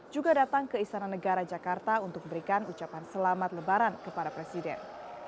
juga datang ke istana negara jakarta untuk memberikan ucapan selamat lebaran kepada presiden